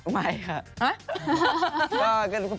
ไม่ค่ะ